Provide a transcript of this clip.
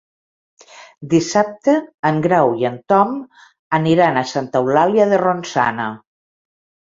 Dissabte en Grau i en Tom aniran a Santa Eulàlia de Ronçana.